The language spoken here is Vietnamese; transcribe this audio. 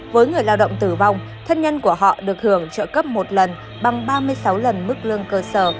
với người lao động tử vong thân nhân của họ được hưởng trợ cấp một lần bằng ba mươi sáu lần mức lương cơ sở